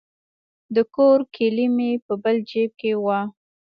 د کور کیلي مې په بل جیب کې وه.